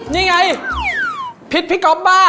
นี่ไงพิษพิกรอบบ้า